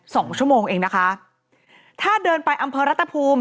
สองชั่วโมงเองนะคะถ้าเดินไปอำเภอรัตภูมิ